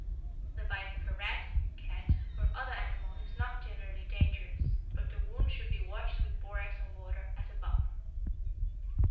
The bite of a rat, cat, or other animal is not generally dangerous, but the wound should be washed with borax and water, as above.